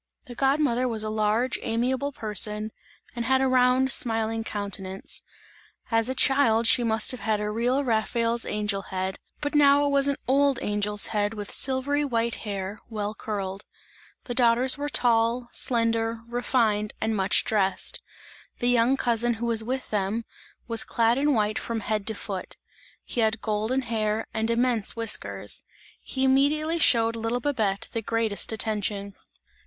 The god mother was a large amiable person and had a round smiling countenance; as a child she must have had a real Raphael's angel head, but now it was an old angel's head with silvery white hair, well curled. The daughters were tall, slender, refined and much dressed. The young cousin who was with them, was clad in white from head to foot; he had golden hair and immense whiskers; he immediately showed little Babette the greatest attention.